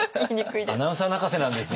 アナウンサー泣かせなんですよ。